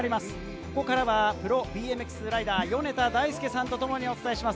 ここからはプロＢＭＸライダー、米田大輔さんとともにお伝えしていきます。